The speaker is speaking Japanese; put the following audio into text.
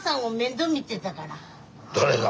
誰が？